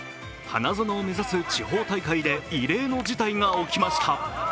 花園を目指す地方大会で異例の事態が起きました。